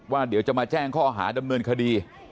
เดี๋ยวจะมาแจ้งข้อหาดำเนินคดี